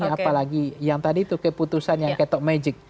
apalagi yang tadi keputusan ketok magic